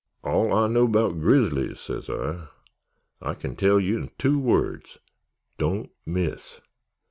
'All I know 'baout grizzlies,' sez I, 'I can tell ye in two words—_Don't miss!